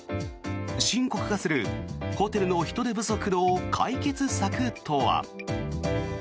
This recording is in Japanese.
深刻化するホテルの人手不足の解決策とは。